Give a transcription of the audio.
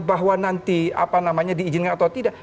bahwa nanti apa namanya diizinkan atau tidak